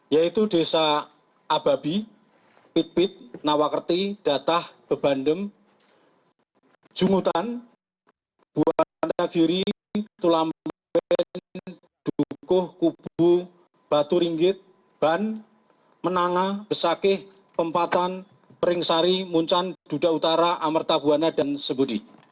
yaitu desa ababi pitpit nawakerti datah bebandem jungutan buwana giri tulamben dukuh kubu batu ringgit ban menangah besakeh pempatan peringsari muncan duda utara amerta buwana dan sebudi